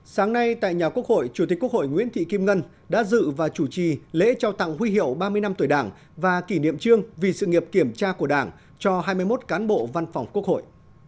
sáng nay tại nhà quốc hội chủ tịch quốc hội nguyễn thị kim ngân đã dự và chủ trì lễ trao tặng huy hiệu ba mươi năm tuổi đảng và kỷ niệm trương vì sự nghiệp kiểm tra của đảng cho hai mươi một cán bộ văn phòng quốc hội